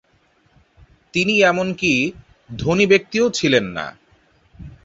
তিনি এমনকি ধনী ব্যক্তিও ছিলেন না।